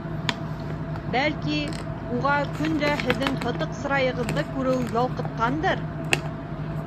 Бәлки, уға көн дә һеҙҙең һытыҡ сырайҙарығыҙҙы күреү ялҡытҡандыр.